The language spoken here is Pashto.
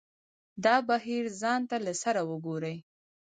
دا بهیر ځان ته له سره وګوري.